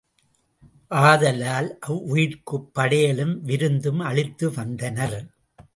ஆதலால் அவ்வுயிர்க்குப் படையலும் விருந்தும் அளித்து வந்தனர்.